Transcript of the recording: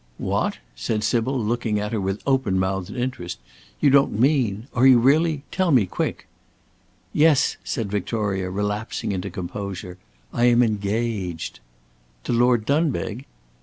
"What!" said Sybil, looking at her with open mouthed interest; "you don't mean are you really tell me, quick!" "Yes!" said Victoria relapsing into composure; "I am engaged!" "To Lord Dunbeg?"